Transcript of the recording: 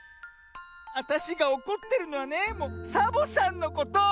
わたしがおこってるのはねサボさんのこと。